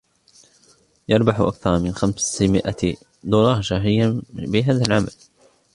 يربح أكثر من خمس مئة دولار شهريا بهذا العمل.